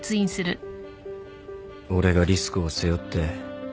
俺がリスクを背負って。